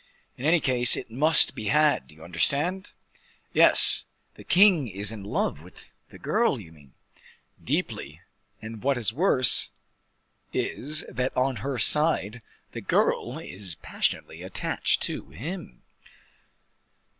"In any case it must be had, do you understand?" "Yes. The king is in love with the girl, you mean?" "Deeply, and what is worse is, that on her side, the girl is passionately attached to him."